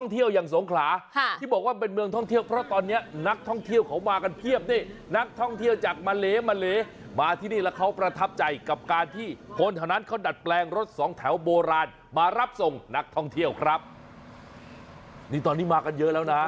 เที่ยวอย่างสงขลาค่ะที่บอกว่าเป็นเมืองท่องเที่ยวเพราะตอนเนี้ยนักท่องเที่ยวเขามากันเพียบนี่นักท่องเที่ยวจากมาเลมะเลมาที่นี่แล้วเขาประทับใจกับการที่คนแถวนั้นเขาดัดแปลงรถสองแถวโบราณมารับส่งนักท่องเที่ยวครับนี่ตอนนี้มากันเยอะแล้วนะ